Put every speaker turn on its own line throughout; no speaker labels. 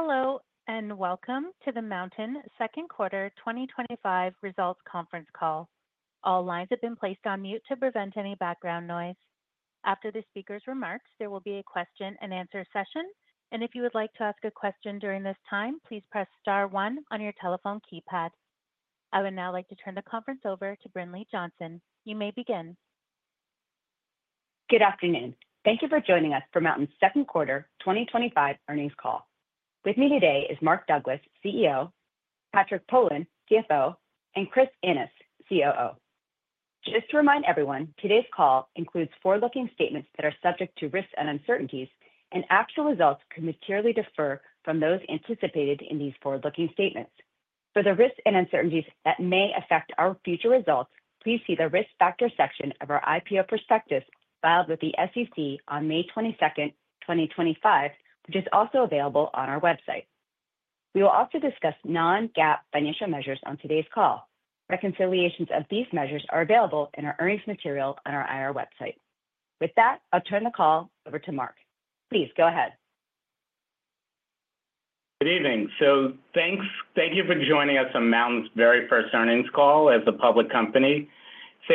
Hello and welcome to the MNTN Second Quarter 2025 Results Conference Call. All lines have been placed on mute to prevent any background noise. After the speaker's remarks, there will be a question and answer session, and if you would like to ask a question during this time, please press star one on your telephone keypad. I would now like to turn the conference over to Brinlee Johnson. You may begin.
Good afternoon. Thank you for joining us for MNTN's second quarter 2025 earnings call. With me today is Mark Douglas, CEO, Patrick Pohlen, CFO, and Chris Innes, COO. Just to remind everyone, today's call includes forward-looking statements that are subject to risk and uncertainties, and actual results could materially differ from those anticipated in these forward-looking statements. For the risk and uncertainties that may affect our future results, please see the Risk Factors section of our IPO prospectus filed with the SEC on May 22nd, 2025, which is also available on our website. We will also discuss non-GAAP financial measures on today's call. Reconciliations of these measures are available in our earnings materials on our IR website. With that, I'll turn the call over to Mark. Please go ahead.
Good evening. Thank you for joining us on MNTN's very first earnings call as a public company.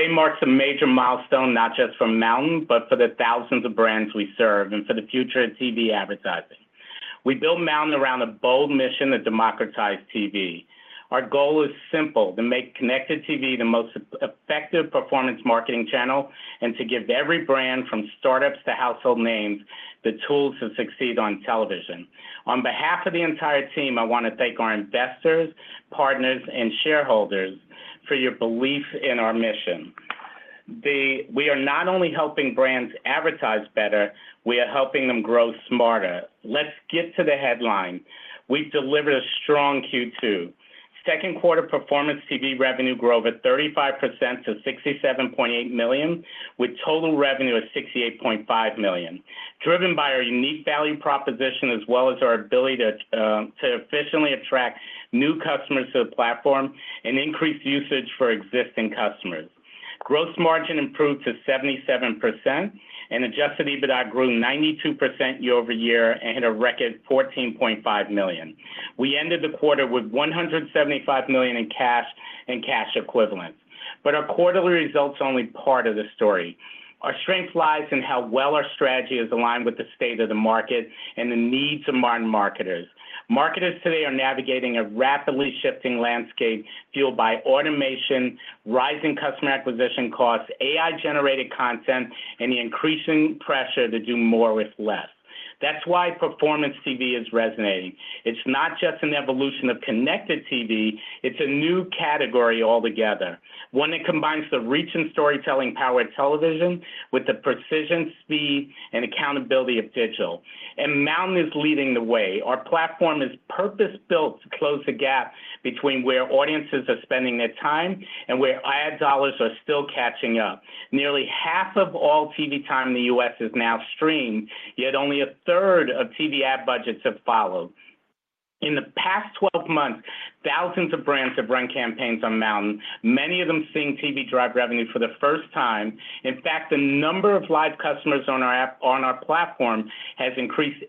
Mark's a major milestone, not just for MNTN, but for the thousands of brands we serve and for the future of TV advertising. We built MNTN around a bold mission to democratize TV. Our goal is simple: to make Connected TV the most effective performance marketing channel and to give every brand, from startups to household names, the tools to succeed on television. On behalf of the entire team, I want to thank our investors, partners, and shareholders for your belief in our mission. We are not only helping brands advertise better, we are helping them grow smarter. Let's get to the headline. We've delivered a strong Q2. Second quarter Performance TV revenue grew over 35% to $67.8 million, with total revenue of $68.5 million, driven by our unique value proposition as well as our ability to efficiently attract new customers to the platform and increase usage for existing customers. Gross margin improved to 77%, and adjusted EBITDA grew 92% year-over-year and hit a record $14.5 million. We ended the quarter with $175 million in cash and cash equivalents. Our quarterly results are only part of the story. Our strength lies in how well our strategy is aligned with the state of the market and the needs of modern marketers. Marketers today are navigating a rapidly shifting landscape fueled by automation, rising customer acquisition costs, AI-generated content, and the increasing pressure to do more with less. That's why Performance TV is resonating. It's not just an evolution of Connected TV, it's a new category altogether, one that combines the reach and storytelling power of television with the precision, speed, and accountability of digital. MNTN is leading the way. Our platform is purpose-built to close the gap between where audiences are spending their time and where ad dollars are still catching up. Nearly half of all TV time in the U.S. is now streamed, yet only a third of TV ad budgets have followed. In the past 12 months, thousands of brands have run campaigns on MNTN, many of them seeing TV drive revenue for the first time. In fact, the number of live customers on our platform has increased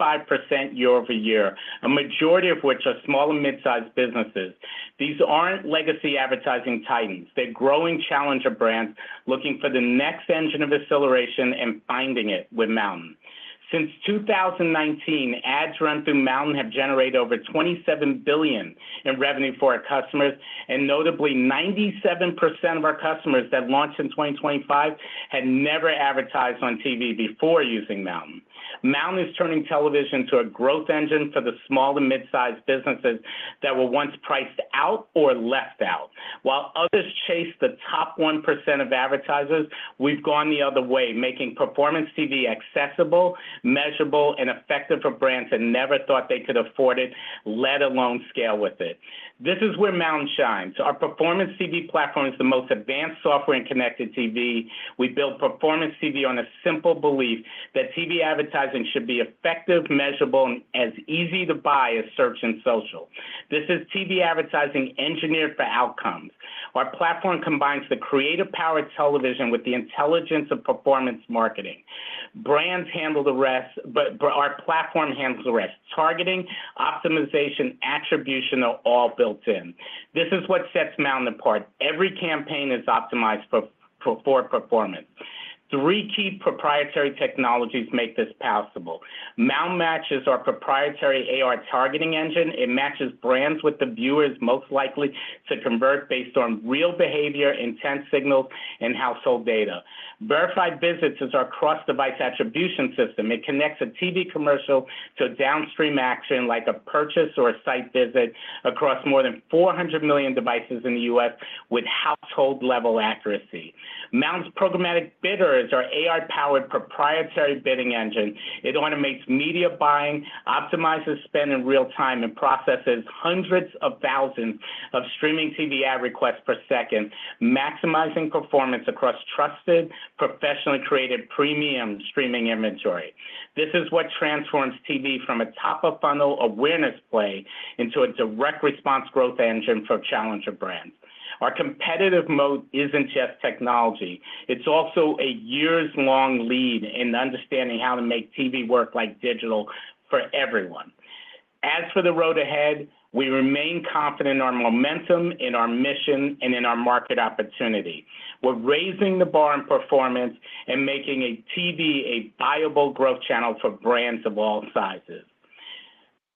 85% year-over-year, a majority of which are small and mid-sized businesses. These aren't legacy advertising titans, they're growing challenger brands looking for the next engine of acceleration and finding it with MNTN. Since 2019, ads run through MNTN have generated over $27 billion in revenue for our customers, and notably, 97% of our customers that launched in 2025 had never advertised on TV before using MNTN. MNTN is turning television into a growth engine for the small and mid-sized businesses that were once priced out or left out. While others chase the top 1% of advertisers, we've gone the other way, making Performance TV accessible, measurable, and effective for brands that never thought they could afford it, let alone scale with it. This is where MNTN shines. Our Performance TV platform is the most advanced software in Connected TV. We built Performance TV on a simple belief that TV advertising should be effective, measurable, and as easy to buy as search and social. This is TV advertising engineered for outcomes. Our platform combines the creative power of television with the intelligence of performance marketing. Brands handle the rest, but our platform handles the rest. Targeting, optimization, and attribution are all built in. This is what sets MNTN apart. Every campaign is optimized for performance. Three key proprietary technologies make this possible. MNTN Matched is our proprietary AI-powered precision targeting engine. It matches brands with the viewers most likely to convert based on real behavior, intent signals, and household data. Verified Visits is our cross-device attribution system. It connects a TV commercial to a downstream action, like a purchase or a site visit, across more than 400 million devices in the U.S. with household-level accuracy. MNTN's programmatic bidder is our AI-powered proprietary bidding engine. It automates media buying, optimizes spend in real time, and processes hundreds of thousands of streaming TV ad requests per second, maximizing performance across trusted, professionally created premium streaming inventory. This is what transforms TV from a top-of-funnel awareness play into a direct response growth engine for challenger brands. Our competitive mode isn't just technology, it's also a years-long lead in understanding how to make TV work like digital for everyone. As for the road ahead, we remain confident in our momentum, in our mission, and in our market opportunity. We're raising the bar in performance and making TV a viable growth channel for brands of all sizes.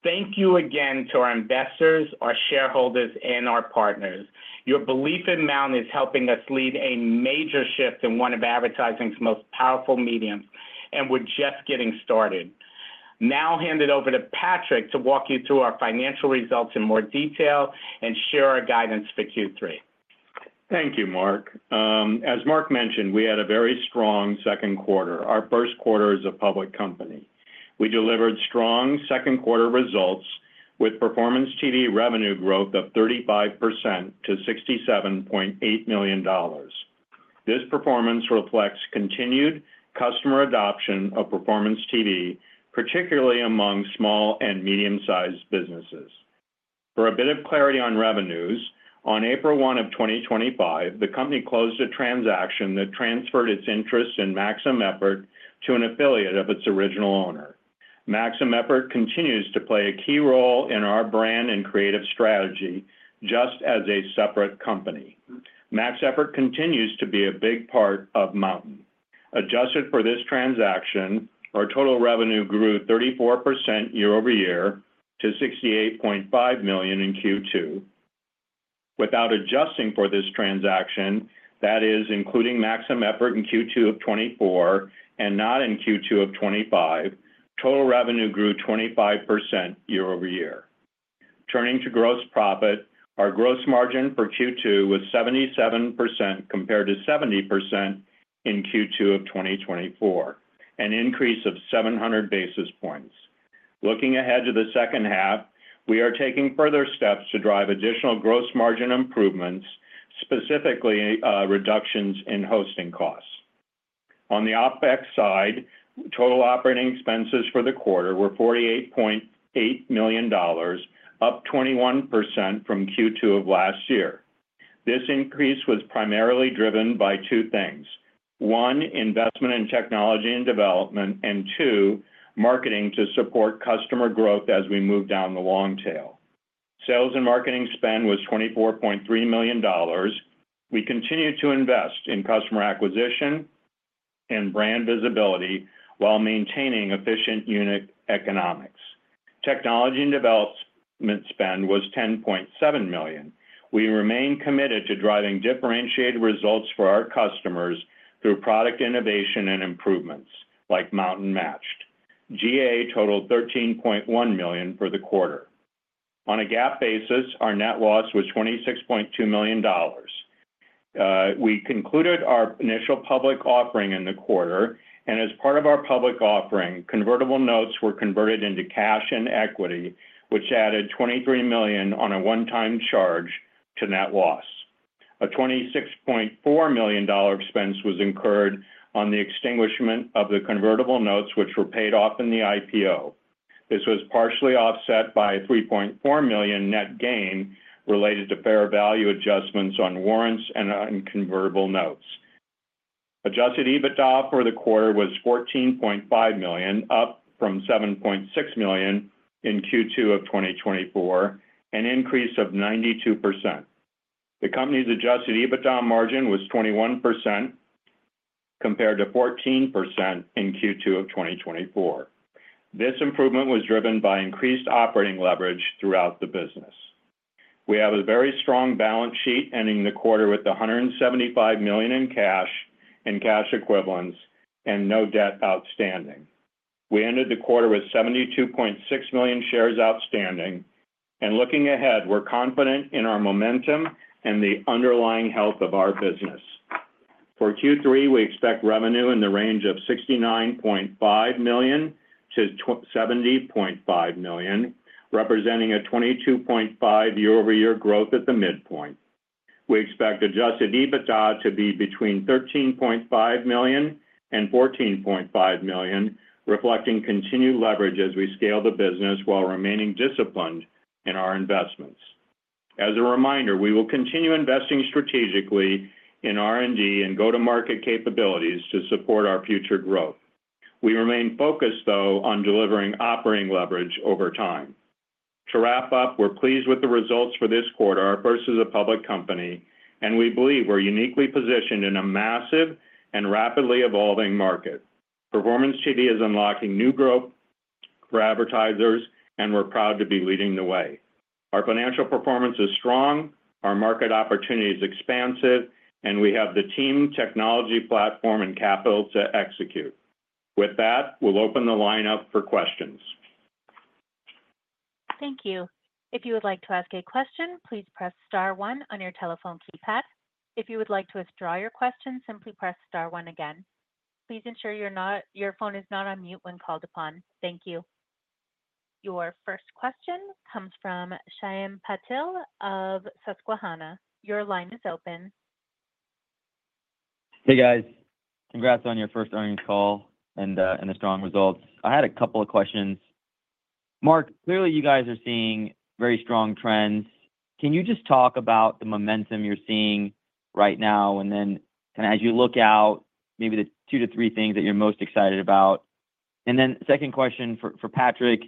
Thank you again to our investors, our shareholders, and our partners. Your belief in MNTN is helping us lead a major shift in one of advertising's most powerful mediums, and we're just getting started. Now I'll hand it over to Patrick to walk you through our financial results in more detail and share our guidance for Q3.
Thank you, Mark. As Mark mentioned, we had a very strong second quarter, our first quarter as a public company. We delivered strong second quarter results with Performance TV revenue growth of 35% to $67.8 million. This performance reflects continued customer adoption of Performance TV, particularly among small and medium-sized businesses. For a bit of clarity on revenues, on April 1, 2025, the company closed a transaction that transferred its interest in Maximum Effort to an affiliate of its original owner. Maximum Effort continues to play a key role in our brand and creative strategy, just as a separate company. Maximum Effort continues to be a big part of MNTN. Adjusted for this transaction, our total revenue grew 34% year-over-year to $68.5 million in Q2. Without adjusting for this transaction, that is, including Maximum Effort in Q2 of 2024 and not in Q2 of 2025, total revenue grew 25% year-over-year. Turning to gross profit, our gross margin for Q2 was 77% compared to 70% in Q2 of 2024, an increase of 700 basis points. Looking ahead to the second half, we are taking further steps to drive additional gross margin improvements, specifically reductions in hosting costs. On the OpEx side, total operating expenses for the quarter were $48.8 million, up 21% from Q2 of last year. This increase was primarily driven by two things: one, investment in technology and development, and two, marketing to support customer growth as we move down the long tail. Sales and marketing spend was $24.3 million. We continue to invest in customer acquisition and brand visibility while maintaining efficient unit economics. Technology and development spend was $10.7 million. We remain committed to driving differentiated results for our customers through product innovation and improvements, like MNTN Matched. G&A totaled $13.1 million for the quarter. On a GAAP basis, our net loss was $26.2 million. We concluded our initial public offering in the quarter, and as part of our public offering, convertible notes were converted into cash and equity, which added $23 million on a one-time charge to net loss. A $26.4 million expense was incurred on the extinguishment of the convertible notes, which were paid off in the IPO. This was partially offset by a $3.4 million net gain related to fair value adjustments on warrants and on convertible notes. Adjusted EBITDA for the quarter was $14.5 million, up from $7.6 million in Q2 of 2024, an increase of 92%. The company's adjusted EBITDA margin was 21% compared to 14% in Q2 of 2024. This improvement was driven by increased operating leverage throughout the business. We have a very strong balance sheet, ending the quarter with $175 million in cash and cash equivalents and no debt outstanding. We ended the quarter with 72.6 million shares outstanding, and looking ahead, we're confident in our momentum and the underlying health of our business. For Q3, we expect revenue in the range of $69.5 million to $70.5 million, representing a $22.5 million year-over-year growth at the midpoint. We expect adjusted EBITDA to be between $13.5 million and $14.5 million, reflecting continued leverage as we scale the business while remaining disciplined in our investments. As a reminder, we will continue investing strategically in R&D and go-to-market capabilities to support our future growth. We remain focused, though, on delivering operating leverage over time. To wrap up, we're pleased with the results for this quarter, our first as a public company, and we believe we're uniquely positioned in a massive and rapidly evolving market. Performance TV is unlocking new growth for advertisers, and we're proud to be leading the way. Our financial performance is strong, our market opportunity is expansive, and we have the team, technology, platform, and capital to execute. With that, we'll open the line up for questions.
Thank you. If you would like to ask a question, please press star one on your telephone keypad. If you would like to withdraw your question, simply press star one again. Please ensure your phone is not on mute when called upon. Thank you. Your first question comes from Shyam Patil of Susquehanna. Your line is open.
Hey, guys. Congrats on your first earnings call and the strong results. I had a couple of questions. Mark, clearly you guys are seeing very strong trends. Can you just talk about the momentum you're seeing right now and as you look out, maybe the two to three things that you're most excited about? Second question for Patrick.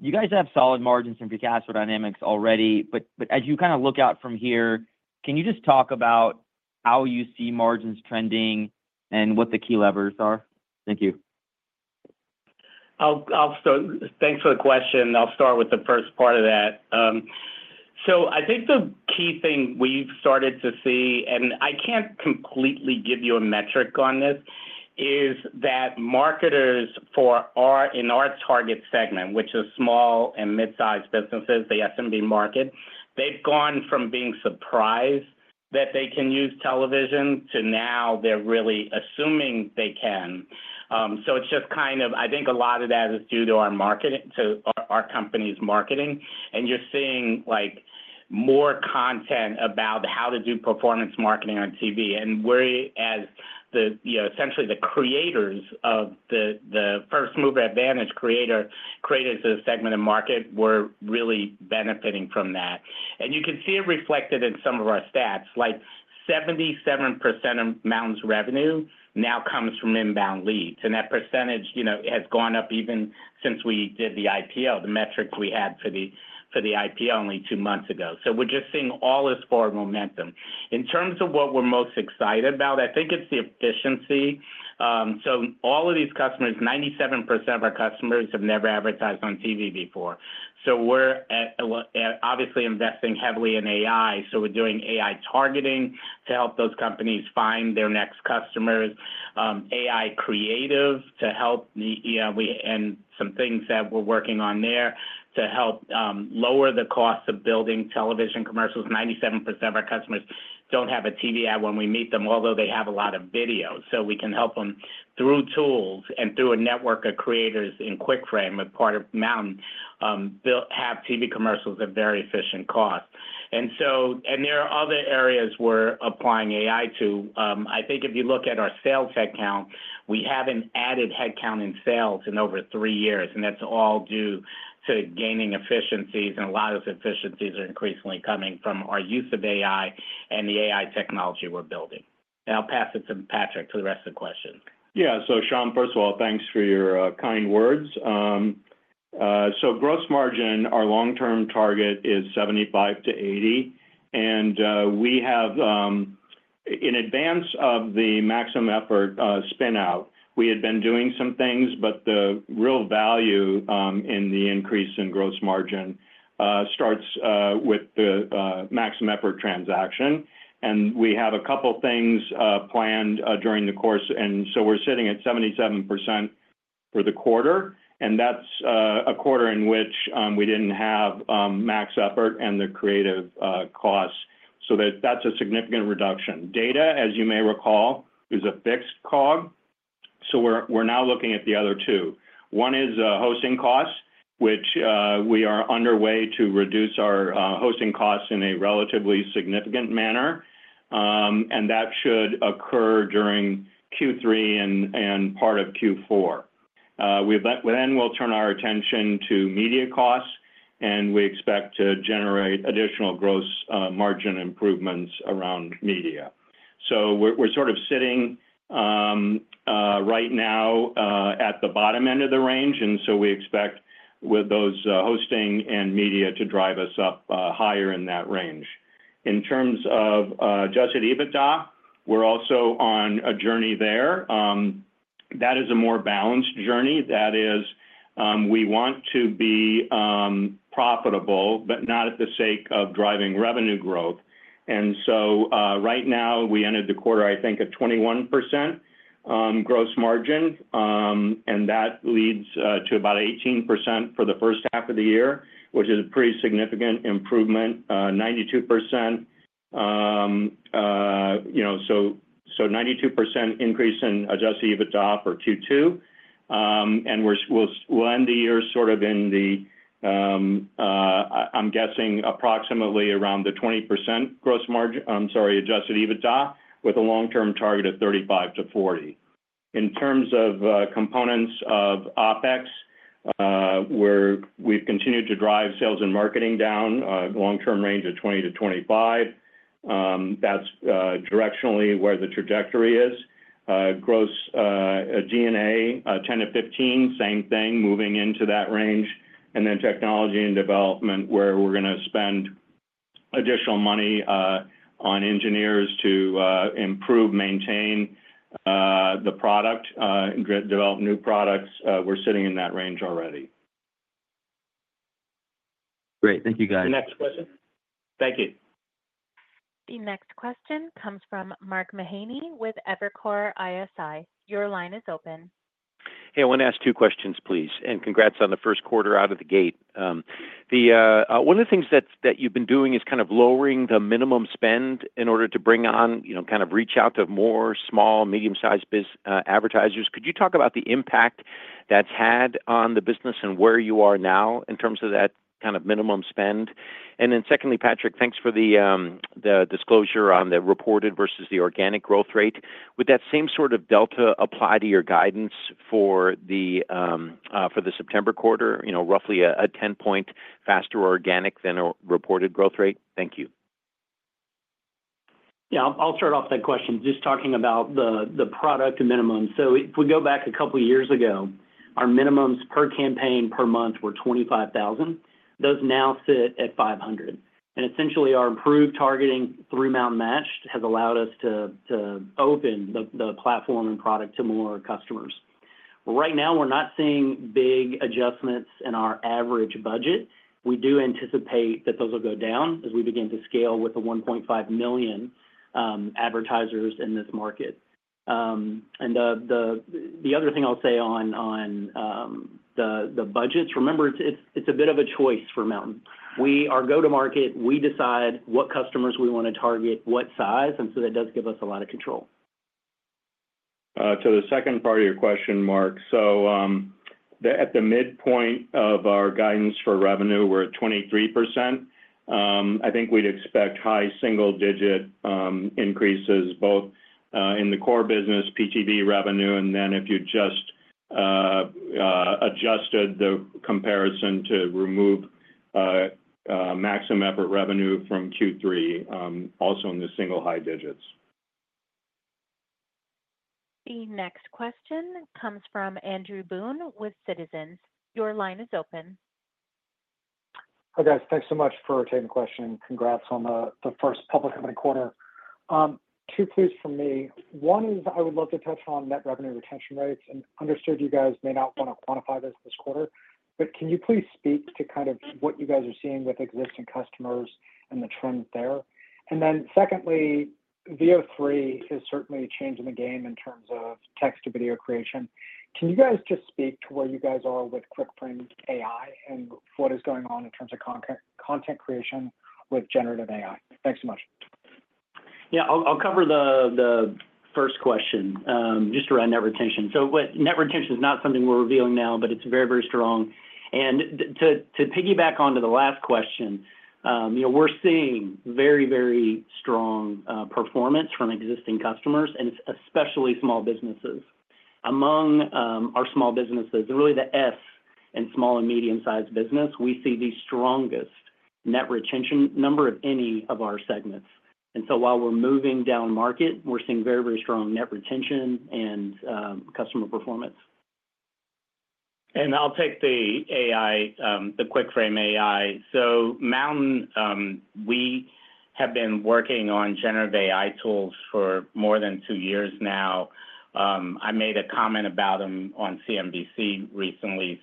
You guys have solid margins from MNTN already, but as you look out from here, can you just talk about how you see margins trending and what the key levers are? Thank you.
Thanks for the question. I'll start with the first part of that. I think the key thing we've started to see, and I can't completely give you a metric on this, is that marketers in our target segment, which is small and mid-sized businesses, the SMB market, they've gone from being surprised that they can use television to now they're really assuming they can. It's just kind of, I think a lot of that is due to our marketing, to our company's marketing. You're seeing more content about how to do performance marketing on TV. We're, as essentially the creators of the first move advantage, creators of the segment of market, really benefiting from that. You can see it reflected in some of our stats, like 77% of MNTN's revenue now comes from inbound leads. That percentage has gone up even since we did the IPO, the metric we had for the IPO only two months ago. We're just seeing all this forward momentum. In terms of what we're most excited about, I think it's the efficiency. All of these customers, 97% of our customers have never advertised on TV before. We're obviously investing heavily in AI. We're doing AI targeting to help those companies find their next customers, AI creative to help, and some things that we're working on there to help lower the cost of building television commercials. 97% of our customers don't have a TV ad when we meet them, although they have a lot of video. We can help them through tools and through a network of creators in QuickFrame, a part of MNTN, have TV commercials at very efficient costs. There are other areas we're applying AI to. If you look at our sales headcount, we haven't added headcount in sales in over three years, and that's all due to gaining efficiencies. A lot of those efficiencies are increasingly coming from our use of AI and the AI technology we're building. I'll pass it to Patrick for the rest of the question.
Yeah, so Shyam, first of all, thanks for your kind words. Gross margin, our long-term target is 75%-80%. We have, in advance of the Maximum Effort spin-out, been doing some things, but the real value in the increase in gross margin starts with the Maximum Effort transaction. We have a couple of things planned during the course. We're sitting at 77% for the quarter, and that's a quarter in which we didn't have Maximum Effort and the creative costs. That's a significant reduction. Data, as you may recall, is a fixed COG. We're now looking at the other two. One is hosting costs, which we are underway to reduce in a relatively significant manner. That should occur during Q3 and part of Q4. We will turn our attention to media costs, and we expect to generate additional gross margin improvements around media. We're sort of sitting right now at the bottom end of the range. We expect those hosting and media to drive us up higher in that range. In terms of adjusted EBITDA, we're also on a journey there. That is a more balanced journey. We want to be profitable, but not at the sake of driving revenue growth. Right now, we ended the quarter, I think, at 21% gross margin. That leads to about 18% for the first half of the year, which is a pretty significant improvement. 92% increase in adjusted EBITDA for Q2. We'll end the year sort of in the, I'm guessing, approximately around the 20% gross margin, I'm sorry, adjusted EBITDA with a long-term target of 35%-40%. In terms of components of OpEx, we've continued to drive sales and marketing down a long-term range of 20%-25%. That's directionally where the trajectory is. Gross G&A, 10%-15%, same thing, moving into that range. Technology and development, where we're going to spend additional money on engineers to improve, maintain the product, develop new products, we're sitting in that range already.
Great. Thank you, guys.
Next question. Thank you.
The next question comes from Mark Mahaney with Evercore ISI. Your line is open.
Hey, I want to ask two questions, please. Congrats on the first quarter out of the gate. One of the things that you've been doing is kind of lowering the minimum spend in order to bring on, you know, kind of reach out to more small, medium-sized advertisers. Could you talk about the impact that's had on the business and where you are now in terms of that kind of minimum spend? Secondly, Patrick, thanks for the disclosure on the reported versus the organic growth rate. Would that same sort of delta apply to your guidance for the September quarter? You know, roughly a 10 point faster organic than a reported growth rate. Thank you.
Yeah, I'll start off that question, just talking about the product minimum. If we go back a couple of years ago, our minimums per campaign per month were $25,000. Those now sit at $500. Essentially, our improved targeting through MNTN Matched has allowed us to open the platform and product to more customers. Right now, we're not seeing big adjustments in our average budget. We do anticipate that those will go down as we begin to scale with the 1.5 million advertisers in this market. The other thing I'll say on the budgets, remember, it's a bit of a choice for MNTN. We are go-to-market. We decide what customers we want to target, what size. That does give us a lot of control.
To the second part of your question, Mark, at the midpoint of our guidance for revenue, we're at 23%. I think we'd expect high single-digit increases both in the core business, PTV revenue, and if you just adjusted the comparison to remove Maximum Effort revenue from Q3, also in the single high digits.
The next question comes from Andrew Boone with Citizens. Your line is open.
Hi guys, thanks so much for taking the question. Congrats on the first public company quarter. Two things from me. One is I would love to touch on net revenue retention rates. I understand you guys may not want to quantify this quarter, but can you please speak to what you guys are seeing with existing customers and the trend there? Secondly, Veo 3 is certainly changing the game in terms of text-to-video creation. Can you guys speak to where you are with QuickFrame AI and what is going on in terms of content creation with generative AI? Thanks so much.
Yeah, I'll cover the first question just around net retention. Net retention is not something we're revealing now, but it's very, very strong. To piggyback onto the last question, we're seeing very, very strong performance from existing customers, and it's especially small businesses. Among our small businesses, they're really the S in small and medium-sized business. We see the strongest net retention number of any of our segments. While we're moving down market, we're seeing very, very strong net retention and customer performance.
I'll take the AI, the QuickFrame AI. MNTN, we have been working on generative AI tools for more than two years now. I made a comment about them on CNBC recently.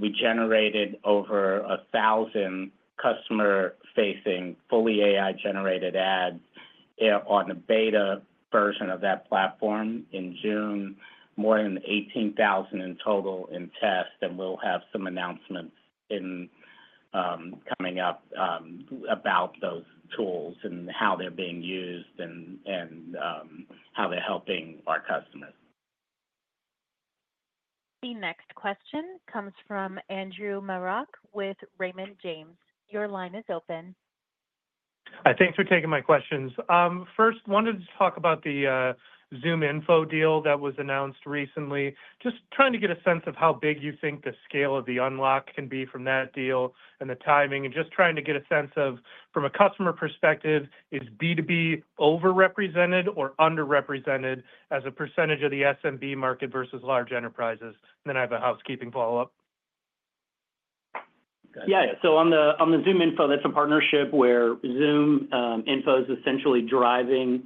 We generated over 1,000 customer-facing, fully AI-generated ads on the beta version of that platform in June, more than 18,000 in total in tests. We will have some announcements coming up about those tools and how they're being used and how they're helping our customers.
The next question comes from Andrew Marok with Raymond James. Your line is open.
Thanks for taking my questions. First, I wanted to talk about the ZoomInfo deal that was announced recently. Just trying to get a sense of how big you think the scale of the unlock can be from that deal and the timing. Just trying to get a sense of, from a customer perspective, is B2B overrepresented or underrepresented as a percentage of the SMB market versus large enterprises? I have a housekeeping follow-up.
Yeah, on the ZoomInfo, that's a partnership where ZoomInfo is essentially driving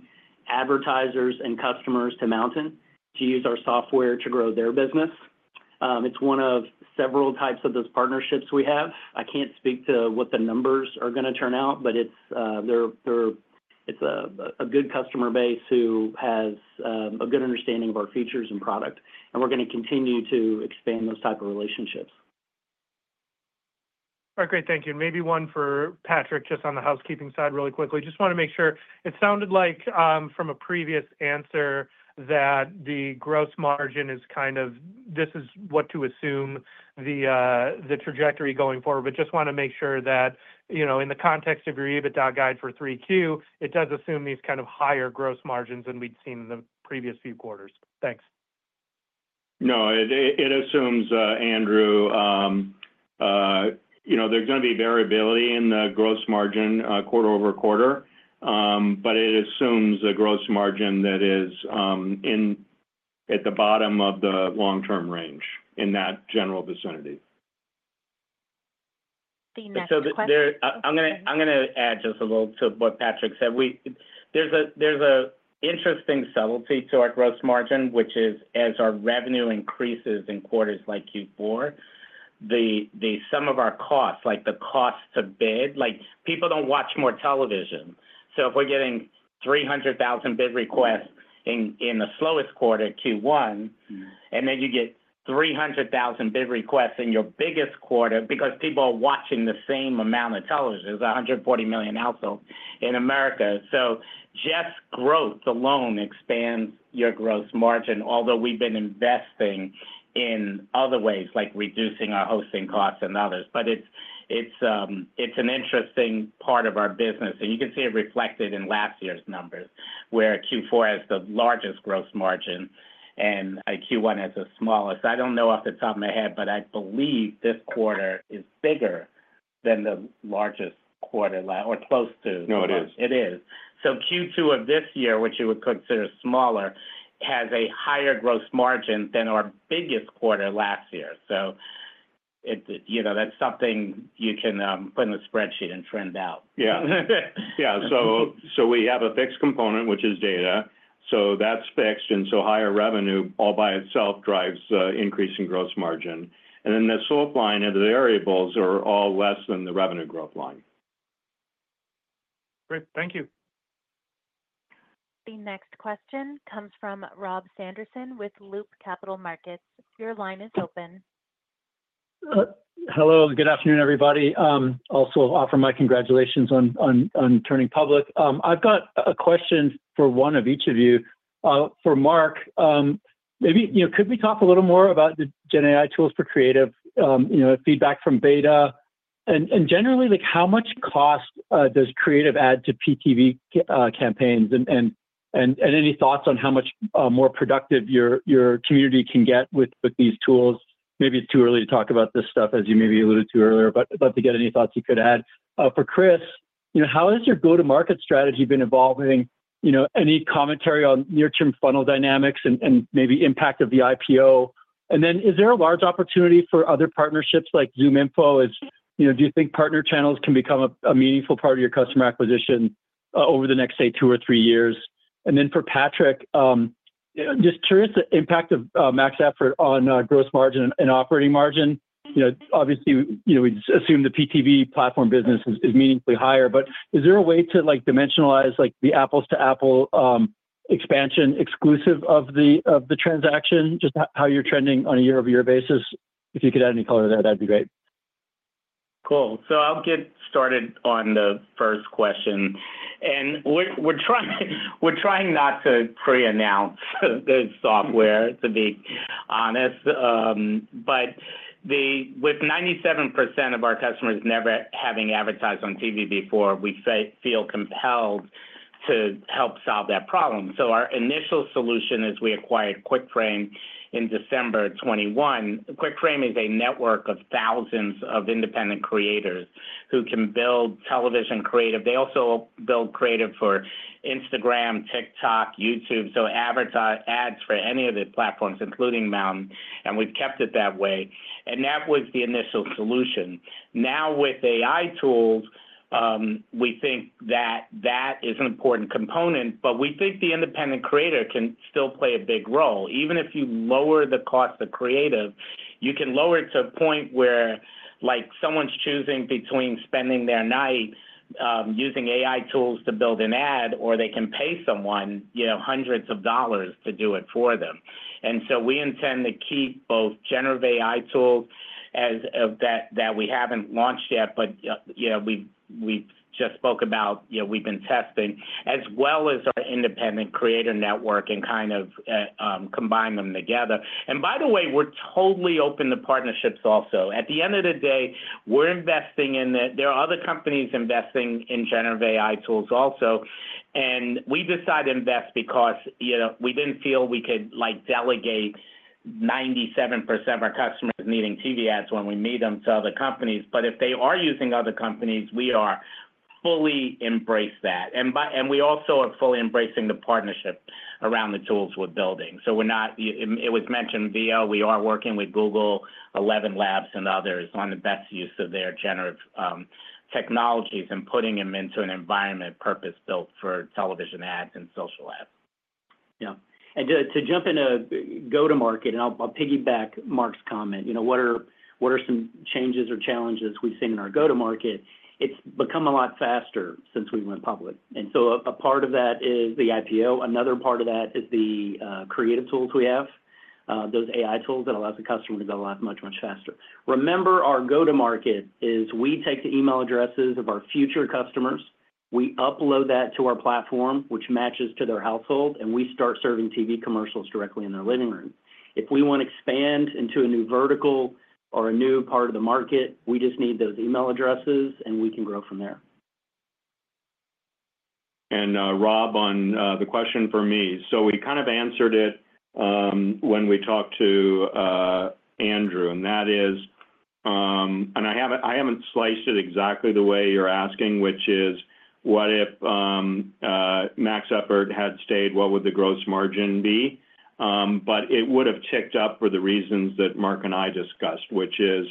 advertisers and customers to MNTN to use our software to grow their business. It's one of several types of those partnerships we have. I can't speak to what the numbers are going to turn out, but it's a good customer base who has a good understanding of our features and product. We're going to continue to expand those types of relationships.
All right, great. Thank you. Maybe one for Patrick, just on the housekeeping side really quickly. I just want to make sure. It sounded like from a previous answer that the gross margin is kind of, this is what to assume the trajectory going forward. I just want to make sure that, you know, in the context of your EBITDA guide for 3Q, it does assume these kind of higher gross margins than we'd seen in the previous few quarters. Thanks.
No, it assumes, Andrew. You know, there's going to be variability in the gross margin quarter over quarter, but it assumes a gross margin that is at the bottom of the long-term range in that general vicinity.
I'm going to add just a little to what Patrick said. There's an interesting subtlety to our gross margin, which is as our revenue increases in quarters like Q4, the sum of our costs, like the cost to bid, like people don't watch more television. If we're getting 300,000 bid requests in the slowest quarter, Q1, and then you get 300,000 bid requests in your biggest quarter because people are watching the same amount of television, it's 140 million households in America. Just growth alone expands your gross margin, although we've been investing in other ways, like reducing our hosting costs and others. It's an interesting part of our business. You can see it reflected in last year's numbers where Q4 has the largest gross margin and Q1 has the smallest. I don't know off the top of my head, but I believe this quarter is bigger than the largest quarter last, or it's close to.
No, it is.
It is. Q2 of this year, which you would consider smaller, has a higher gross margin than our biggest quarter last year. That's something you can put in a spreadsheet and trend out.
Yeah. We have a fixed component, which is data. That's fixed. Higher revenue all by itself drives the increase in gross margin, and the slope line of the variables are all less than the revenue growth line.
Great. Thank you.
The next question comes from Rob Sanderson with Loop Capital Markets. Your line is open.
Hello. Good afternoon, everybody. Also, I'll offer my congratulations on turning public. I've got a question for one of each of you. For Mark, maybe, you know, could we talk a little more about the GenAI tools for creative, you know, feedback from beta? Generally, how much cost does creative add to PTV campaigns? Any thoughts on how much more productive your community can get with these tools? Maybe it's too early to talk about this stuff, as you maybe alluded to earlier, but I'd love to get any thoughts you could add. For Chris, how has your go-to-market strategy been evolving? Any commentary on near-term funnel dynamics and maybe impact of the IPO? Is there a large opportunity for other partnerships like ZoomInfo? Do you think partner channels can become a meaningful part of your customer acquisition over the next, say, two or three years? For Patrick, just curious the impact of Maximum Effort on gross margin and operating margin. Obviously, we assume the PTV platform business is meaningfully higher, but is there a way to dimensionalize the apples-to-apple expansion exclusive of the transaction? Just how you're trending on a year-over-year basis? If you could add any color there, that'd be great.
I'll get started on the first question. We're trying not to pre-announce this software, to be honest. With 97% of our customers never having advertised on TV before, we feel compelled to help solve that problem. Our initial solution is we acquired QuickFrame in December 2021. QuickFrame is a network of thousands of independent creators who can build television creative. They also build creative for Instagram, TikTok, YouTube, so ads for any of the platforms, including MNTN. We've kept it that way, and that was the initial solution. Now with AI tools, we think that is an important component, but we think the independent creator can still play a big role. Even if you lower the cost of creative, you can lower it to a point where someone's choosing between spending their night using AI tools to build an ad, or they can pay someone hundreds of dollars to do it for them. We intend to keep both generative AI tools that we haven't launched yet, but we've just spoke about, we've been testing, as well as our independent creator network and kind of combine them together. By the way, we're totally open to partnerships also. At the end of the day, we're investing in it. There are other companies investing in generative AI tools also. We decided to invest because we didn't feel we could delegate 97% of our customers needing TV ads when we meet them to other companies. If they are using other companies, we are fully embracing that. We also are fully embracing the partnership around the tools we're building. It was mentioned Veo, we are working with Google, ElevenLabs, and others on the best use of their generative technologies and putting them into an environment purpose-built for television ads and social ads.
Yeah. To jump into go-to-market, I'll piggyback Mark's comment. You know, what are some changes or challenges we've seen in our go-to-market? It's become a lot faster since we went public. A part of that is the IPO. Another part of that is the creative tools we have, those AI tools that allow the customer to go live much, much faster. Remember, our go-to-market is we take the email addresses of our future customers, upload that to our platform, which matches to their household, and we start serving TV commercials directly in their living room. If we want to expand into a new vertical or a new part of the market, we just need those email addresses, and we can grow from there.
Rob, on the question for me, we kind of answered it when we talked to Andrew. I haven't sliced it exactly the way you're asking, which is what if Maximum Effort had stayed, what would the gross margin be? It would have ticked up for the reasons that Mark and I discussed, which is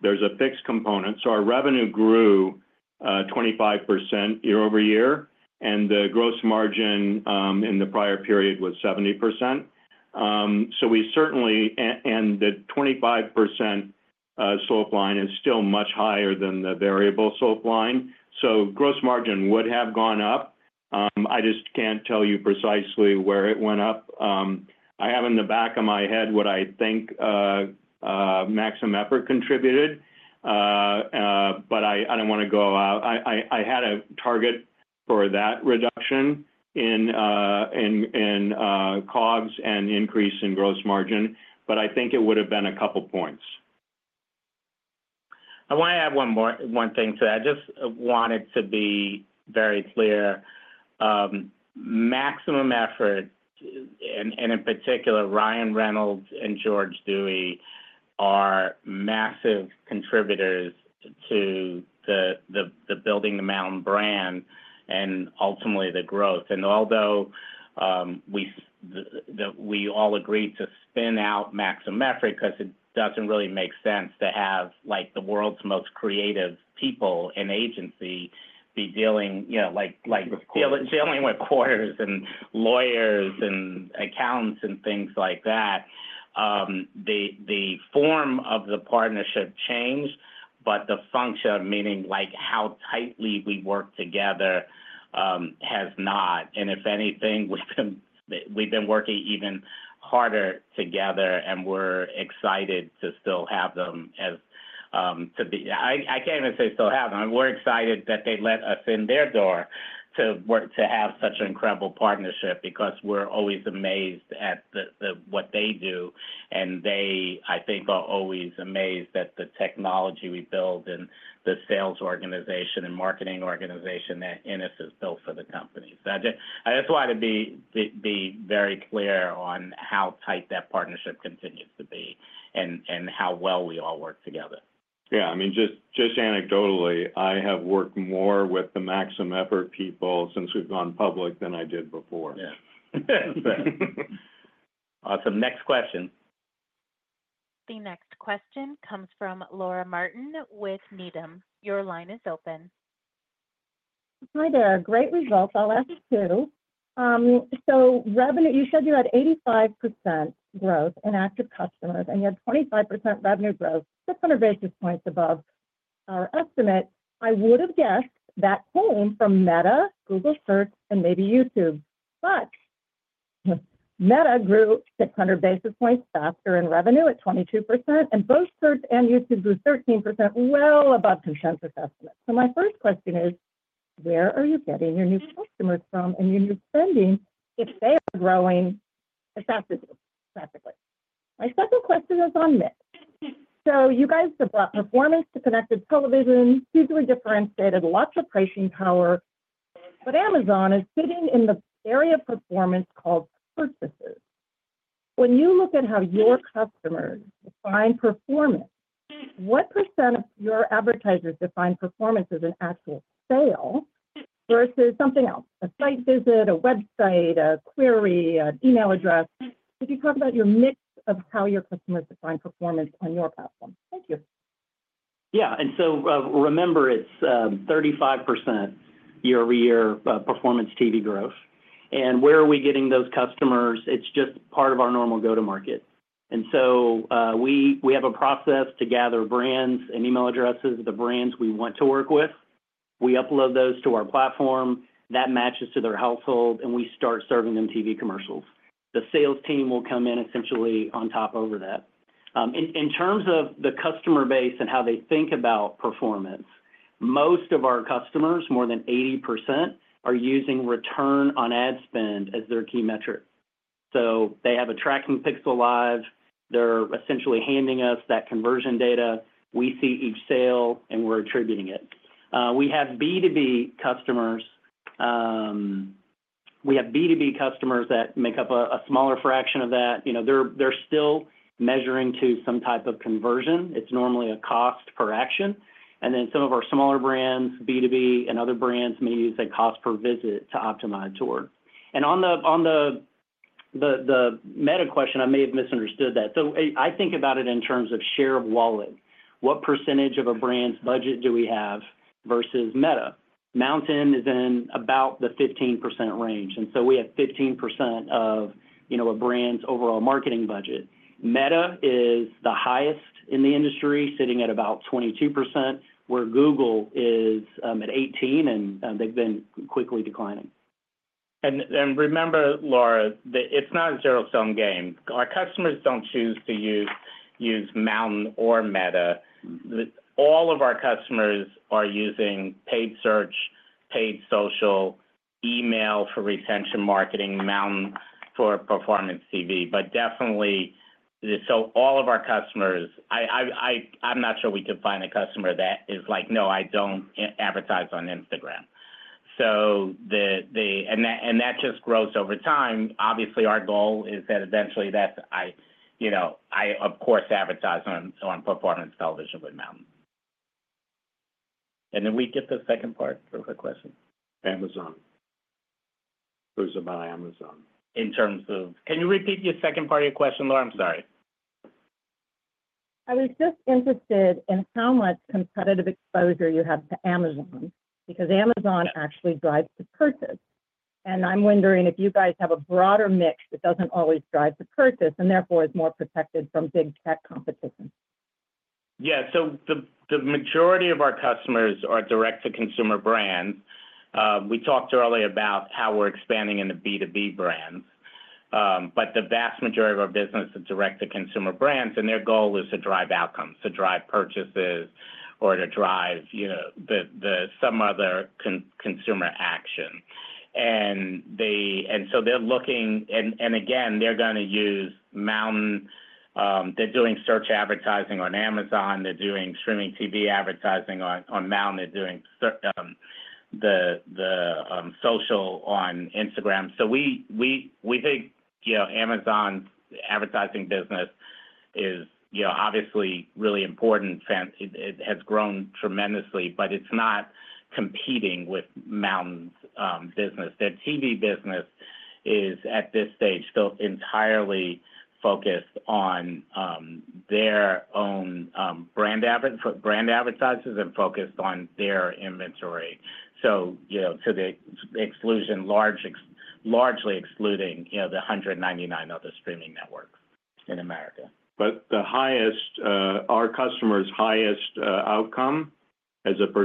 there's a fixed component. Our revenue grew 25% year-over-year, and the gross margin in the prior period was 70%. We certainly, and the 25% slope line is still much higher than the variable slope line. Gross margin would have gone up. I just can't tell you precisely where it went up. I have in the back of my head what I think Maximum Effort contributed. I don't want to go out. I had a target for that reduction in COGs and increase in gross margin. I think it would have been a couple of points.
I want to add one thing to that. I just want it to be very clear. Maximum Effort, and in particular, Ryan Reynolds and George Dewey are massive contributors to building the MNTN brand and ultimately the growth. Although we all agreed to spin out Maximum Effort because it doesn't really make sense to have like the world's most creative people in agency be dealing, you know, like dealing with court and lawyers and accounts and things like that, the form of the partnership changed, but the function, meaning like how tightly we work together, has not. If anything, we've been working even harder together, and we're excited to still have them as to be, I can't even say still have them. We're excited that they let us in their door to have such an incredible partnership because we're always amazed at what they do. They, I think, are always amazed at the technology we build and the sales organization and marketing organization that Innes has built for the company. That's why I'd be very clear on how tight that partnership continues to be and how well we all work together.
Yeah, I mean, just anecdotally, I have worked more with the Maximum Effort people since we've gone public than I did before.
Yeah, awesome. Next question.
The next question comes from Laura Martin with Needham. Your line is open.
Hi there. Great results. I'll ask two. Revenue, you said you had 85% growth in active customers, and you had 25% revenue growth, 600 basis points above our estimate. I would have guessed that came from Meta, Google Search, and maybe YouTube. Meta grew 600 basis points faster in revenue at 22%, and both Search and YouTube grew 13% well above consensus estimates. My first question is, where are you getting your new customers from and your new spending if they are growing as fast as you, practically? My second question is on mix. You guys have brought performance to Connected Television, hugely differentiated, lots of pricing power. Amazon is sitting in the area of performance called purchases. When you look at how your customers define performance, what percent of your advertisers define performance as an actual sale versus something else? A site visit, a website, a query, an email address? Could you talk about your mix of how your customers define performance on your platform? Thank you.
Yeah, and remember, it's 35% year-over-year Performance TV growth. Where are we getting those customers? It's just part of our normal go-to-market. We have a process to gather brands and email addresses of the brands we want to work with. We upload those to our platform that matches to their household, and we start serving them TV commercials. The sales team will come in essentially on top of that. In terms of the customer base and how they think about performance, most of our customers, more than 80%, are using return on ad spend as their key metric. They have a tracking pixel live. They're essentially handing us that conversion data. We see each sale, and we're attributing it. We have B2B customers that make up a smaller fraction of that. They're still measuring to some type of conversion. It's normally a cost per action. Some of our smaller brands, B2B, and other brands may use a cost per visit to optimize toward. On the Meta question, I may have misunderstood that. I think about it in terms of share of wallet. What percentage of a brand's budget do we have versus Meta? MNTN is in about the 15% range. We have 15% of a brand's overall marketing budget. Meta is the highest in the industry, sitting at about 22%, where Google is at 18%, and they've been quickly declining.
Remember, Laura, it's not a zero-sum game. Our customers don't choose to use MNTN or Meta. All of our customers are using paid search, paid social, email for retention marketing, MNTN for Performance TV. Definitely, all of our customers, I'm not sure we could find a customer that is like, no, I don't advertise on Instagram. That just grows over time. Obviously, our goal is that eventually that's, you know, I, of course, advertise on Performance Television with MNTN. Then we get the second part of the question.
Amazon. Who's to buy Amazon?
In terms of, can you repeat your second part of your question, Laura? I'm sorry.
I was just interested in how much competitive exposure you have to Amazon because Amazon actually drives the purchase. I'm wondering if you guys have a broader mix that doesn't always drive the purchase and therefore is more protected from big tech competition.
Yeah, the majority of our customers are direct-to-consumer brands. We talked earlier about how we're expanding into B2B brands. The vast majority of our business is direct-to-consumer brands, and their goal is to drive outcomes, to drive purchases, or to drive some other consumer action. They're looking, and again, they're going to use MNTN. They're doing search advertising on Amazon. They're doing streaming TV advertising on MNTN. They're doing the social on Instagram. We think Amazon's advertising business is obviously really important. It has grown tremendously, but it's not competing with MNTN's business. Their TV business is at this stage still entirely focused on their own brand advertisers and focused on their inventory, largely excluding the 199 other streaming networks in America.
Our customers' highest outcome as a %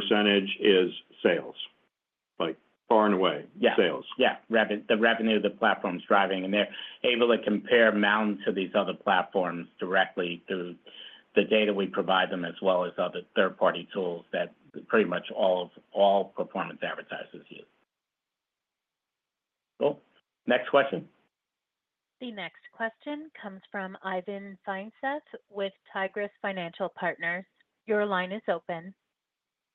is sales, like far and away, sales.
Yeah, the revenue of the platform's driving, and they're able to compare MNTN to these other platforms directly through the data we provide them, as well as other third-party tools that pretty much all performance advertisers use. Cool. Next question.
The next question comes from Ivan Feinseth with Tigress Financial Partners. Your line is open.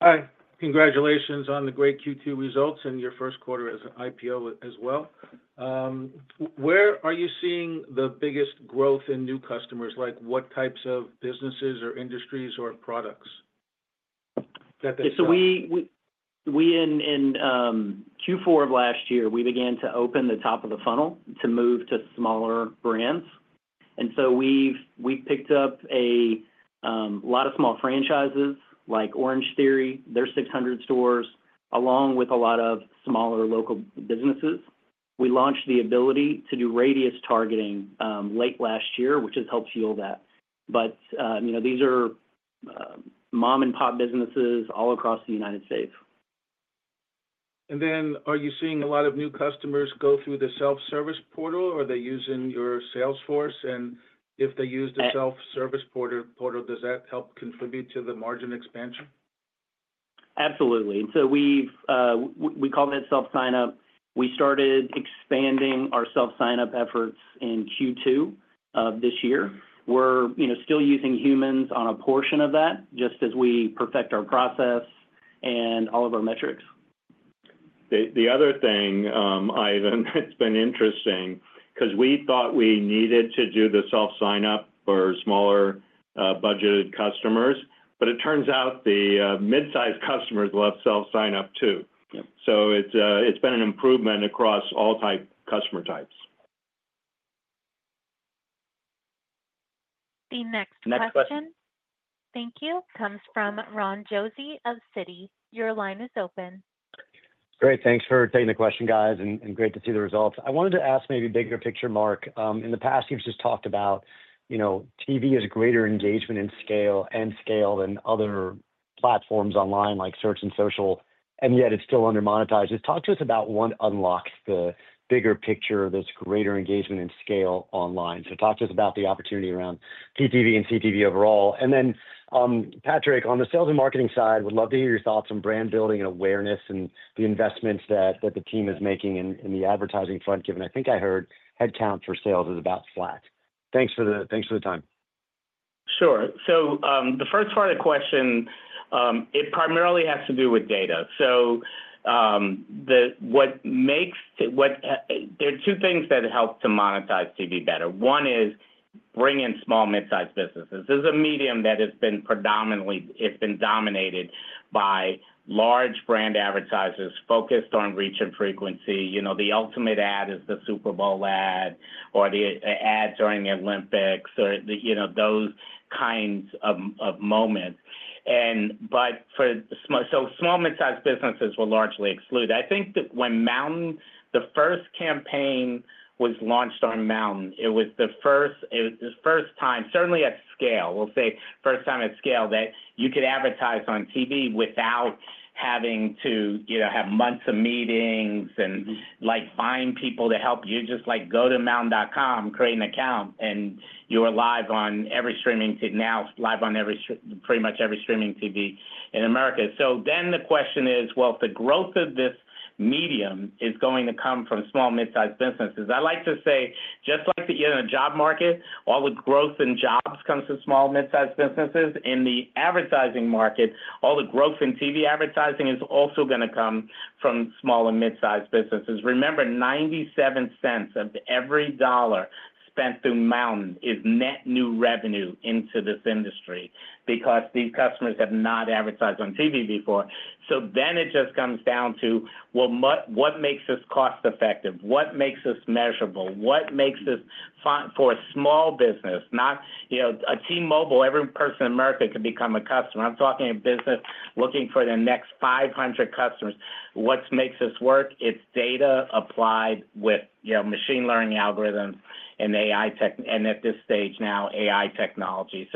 Hi. Congratulations on the great Q2 results and your first quarter as an IPO as well. Where are you seeing the biggest growth in new customers? Like what types of businesses or industries or products?
In Q4 of last year, we began to open the top of the funnel to move to smaller brands. We've picked up a lot of small franchises like Orangetheory, their 600 stores, along with a lot of smaller local businesses. We launched the ability to do radius targeting late last year, which has helped fuel that. These are mom-and-pop businesses all across the United States.
Are you seeing a lot of new customers go through the self-service portal, or are they using your Salesforce? If they use the self-service portal, does that help contribute to the margin expansion?
Absolutely. We call it self-signup. We started expanding our self-signup efforts in Q2 of this year. We're still using humans on a portion of that, just as we perfect our process and all of our metrics.
The other thing, Ivan, it's been interesting because we thought we needed to do the self-signup for smaller budgeted customers, but it turns out the mid-sized customers love self-signup too. It's been an improvement across all customer types.
The next question comes from Ron Josey of Citi. Your line is open.
Great. Thanks for taking the question, guys, and great to see the results. I wanted to ask maybe a bigger picture, Mark. In the past, you've just talked about, you know, TV is a greater engagement in scale and scale than other platforms online like search and social, yet it's still under-monetized. Talk to us about what unlocks the bigger picture of this greater engagement and scale online. Talk to us about the opportunity around PTV and CTV overall. Patrick, on the sales and marketing side, would love to hear your thoughts on brand building and awareness and the investments that the team is making in the advertising front, given I think I heard headcount for sales is about flat. Thanks for the time.
Sure. The first part of the question primarily has to do with data. What makes it, there are two things that help to monetize TV better. One is bringing small mid-sized businesses. This is a medium that has been predominantly dominated by large brand advertisers focused on reach and frequency. The ultimate ad is the Super Bowl ad or the ads during the Olympics or those kinds of moments. For small mid-sized businesses, they were largely excluded. I think that when MNTN, the first campaign was launched on MNTN, it was the first time, certainly at scale, that you could advertise on TV without having to have months of meetings and find people to help you. Just go to mountain.com, create an account, and you are live on every streaming TV, now live on pretty much every streaming TV in America. The question is, if the growth of this medium is going to come from small mid-sized businesses, I like to say, just like in a job market, all the growth in jobs comes from small mid-sized businesses. In the advertising market, all the growth in TV advertising is also going to come from small and mid-sized businesses. Remember, $0.97 of every dollar spent through MNTN is net new revenue into this industry because these customers have not advertised on TV before. It just comes down to what makes us cost-effective, what makes us measurable, what makes us fine for a small business. Not a T-Mobile, every person in America could become a customer. I am talking a business looking for their next 500 customers. What makes us work? It is data applied with machine learning algorithms and AI tech, and at this stage now, AI technology.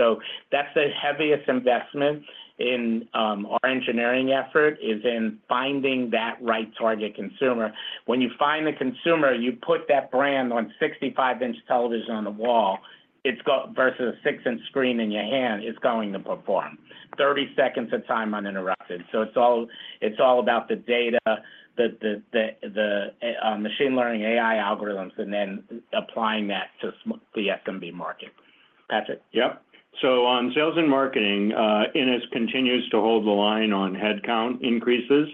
That is the heaviest investment in our engineering effort, finding that right target consumer. When you find the consumer, you put that brand on a 65-in television on the wall versus a six-inch screen in your hand, it is going to perform. Thirty seconds of time uninterrupted. It is all about the data, the machine learning, AI algorithms, and then applying that to the SMB market. Patrick?
Yeah. On sales and marketing, Innes continues to hold the line on headcount increases.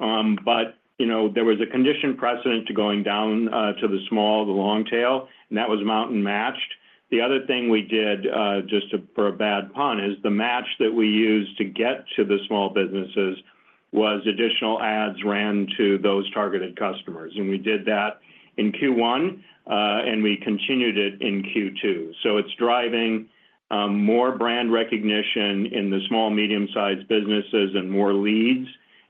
There was a condition precedent to going down to the small, the long tail, and that was MNTN Matched. The other thing we did, just for a bad pun, is the match that we used to get to the small businesses was additional ads ran to those targeted customers. We did that in Q1, and we continued it in Q2. It's driving more brand recognition in the small, medium-sized businesses and more leads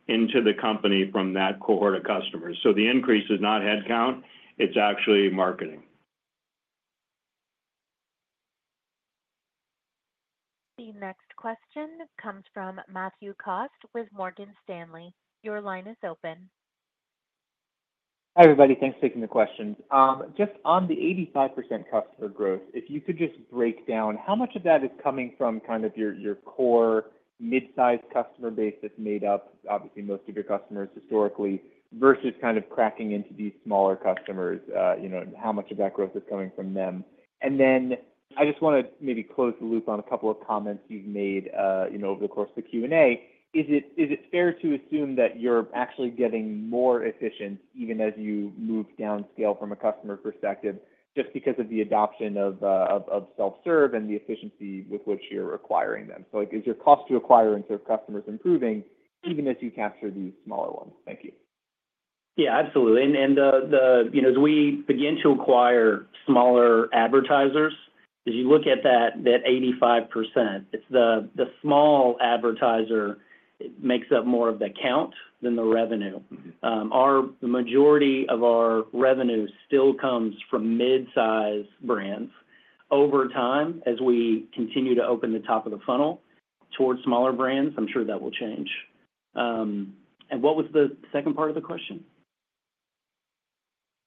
into the company from that cohort of customers. The increase is not headcount. It's actually marketing.
The next question comes from Matthew Cost with Morgan Stanley. Your line is open.
Hi everybody, thanks for taking the questions. Just on the 85% customer growth, if you could just break down how much of that is coming from kind of your core mid-sized customer base that's made up, obviously most of your customers historically, versus kind of cracking into these smaller customers, you know, how much of that growth is coming from them? I just want to maybe close the loop on a couple of comments you've made over the course of the Q&A. Is it fair to assume that you're actually getting more efficient even as you move down scale from a customer perspective, just because of the adoption of self-serve and the efficiency with which you're acquiring them? Is your cost to acquire and serve customers improving even as you capture these smaller ones? Thank you.
Absolutely. As we begin to acquire smaller advertisers, as you look at that 85%, it's the small advertiser that makes up more of the count than the revenue. The majority of our revenue still comes from mid-sized brands. Over time, as we continue to open the top of the funnel towards smaller brands, I'm sure that will change. What was the second part of the question?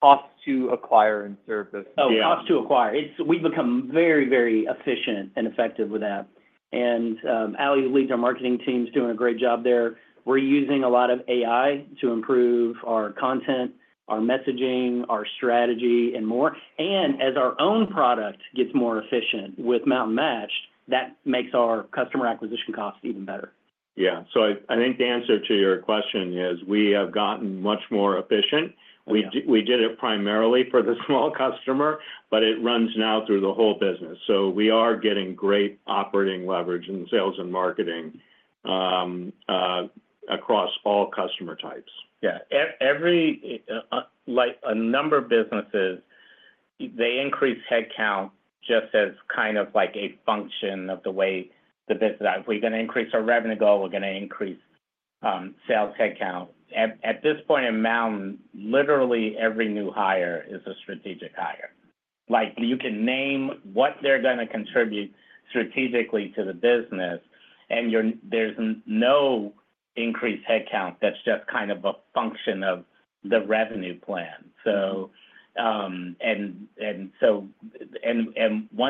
Cost to acquire and serve those.
Oh, cost to acquire. We've become very, very efficient and effective with that. Ali, who leads our marketing team, is doing a great job there. We're using a lot of AI to improve our content, our messaging, our strategy, and more. As our own product gets more efficient with MNTN Matched, that makes our customer acquisition costs even better.
Yeah, I think the answer to your question is we have gotten much more efficient. We did it primarily for the small customer, but it runs now through the whole business. We are getting great operating leverage in sales and marketing across all customer types.
Yeah, like a number of businesses, they increase headcount just as kind of like a function of the way the business, if we're going to increase our revenue goal, we're going to increase sales headcount. At this point in MNTN, literally every new hire is a strategic hire. You can name what they're going to contribute strategically to the business, and there's no increased headcount. That's just kind of a function of the revenue plan. One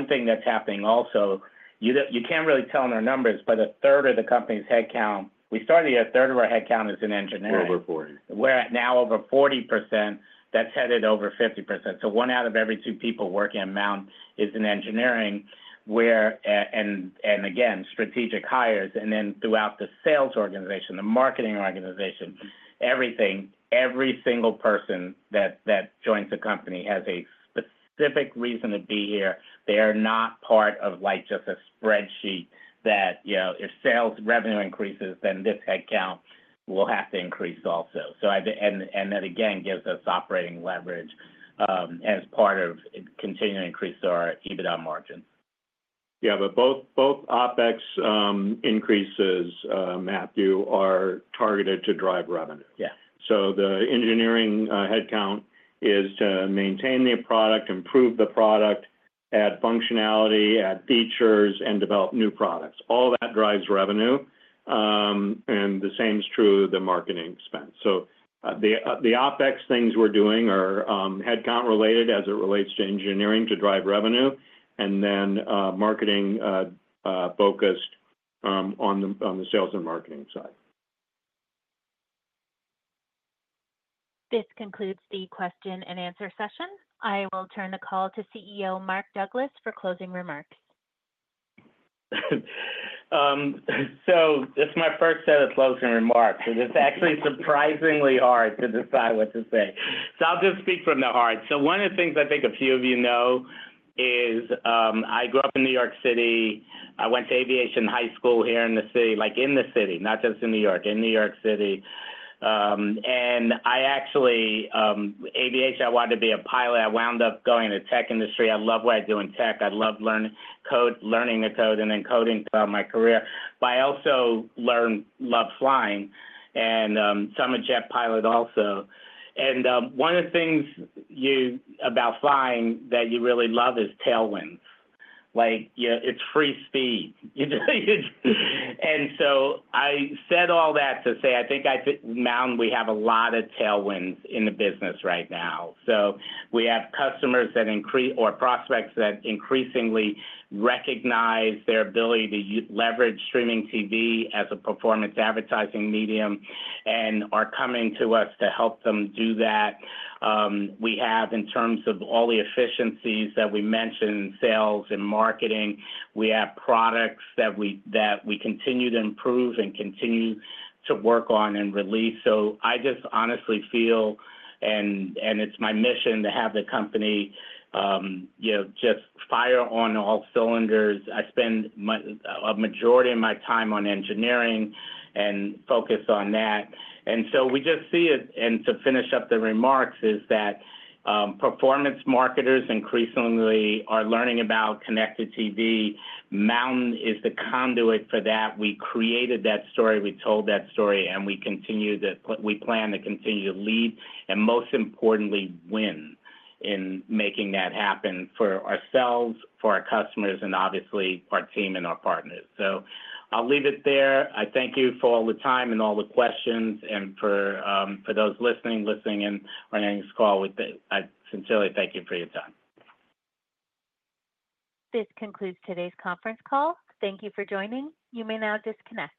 thing that's happening also, you can't really tell in our numbers, but a third of the company's headcount, we started the year, a third of our headcount is in engineering.
Over 40%.
We're at now over 40%. That's headed over 50%. One out of every two people working at MNTN is in engineering, where, again, strategic hires. Throughout the sales organization, the marketing organization, everything, every single person that joins the company has a specific reason to be here. They are not part of just a spreadsheet that, you know, if sales revenue increases, then this headcount will have to increase also. That again gives us operating leverage as part of continuing to increase our EBITDA margin.
Yeah, both OpEx increases, Matthew, are targeted to drive revenue.
Yeah.
The engineering headcount is to maintain the product, improve the product, add functionality, add features, and develop new products. All that drives revenue. The same is true of the marketing spend. The OpEx things we're doing are headcount related as it relates to engineering to drive revenue, and then marketing focused on the sales and marketing side.
This concludes the question and answer session. I will turn the call to CEO Mark Douglas for closing remarks.
It's my first set of closing remarks. It is actually surprisingly hard to decide what to say. I'll just speak from the heart. One of the things I think a few of you know is I grew up in New York City. I went to aviation high school here in the city, like in the city, not just in New York, in New York City. Aviation, I wanted to be a pilot. I wound up going to the tech industry. I love what I do in tech. I love learning code, learning the code, and then coding throughout my career. I also love flying, and I'm a jet pilot also. One of the things about flying that you really love is tailwinds. It's free speed. I said all that to say I think at MNTN, we have a lot of tailwinds in the business right now. We have customers or prospects that increasingly recognize their ability to leverage streaming TV as a performance advertising medium and are coming to us to help them do that. In terms of all the efficiencies that we mentioned, sales and marketing, we have products that we continue to improve and continue to work on and release. I just honestly feel, and it's my mission to have the company just fire on all cylinders. I spend a majority of my time on engineering and focus on that. We just see it, and to finish up the remarks, performance marketers increasingly are learning about Connected TV. MNTN is the conduit for that. We created that story, we told that story, and we plan to continue to lead, and most importantly, win in making that happen for ourselves, for our customers, and obviously our team and our partners. I'll leave it there. I thank you for all the time and all the questions and for those listening in on this call. I sincerely thank you for your time.
This concludes today's conference call. Thank you for joining. You may now disconnect.